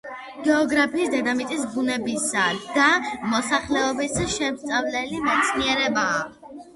გეოგრაფია დედამიწის ბუნებისა და მოსახლეობის შემსწავლელი მეცნიერებაა.